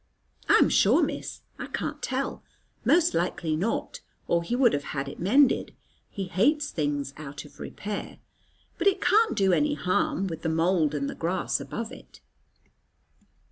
"I am sure, Miss, I can't tell: most likely not, or he would have had it mended, he hates things out of repair. But it can't do any harm, with the mould and the grass above it."